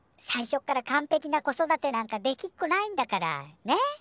最初から完ぺきな子育てなんかできっこないんだからね。